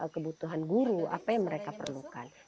kebutuhan guru apa yang mereka perlukan